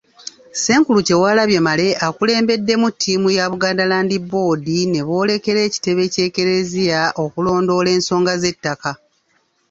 Ssenkulu Kyewalabye Male akulembeddemu ttiimu ya Buganda Land Board ne boolekera ekitebe ky'Ekklezia okulondoola ensonga z'ettaka.